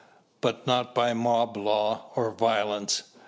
But not by mob law or violence.